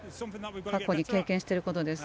過去に経験していることです。